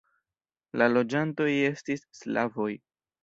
La loĝantoj estis slavoj.